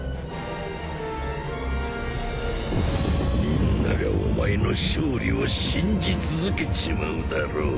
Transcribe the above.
みんながお前の勝利を信じ続けちまうだろう？